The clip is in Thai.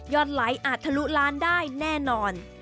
ไหลอาจทะลุล้านได้แน่นอน